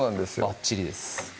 ばっちりです